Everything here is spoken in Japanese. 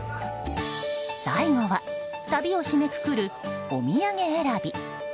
最後は旅を締めくくるお土産選び。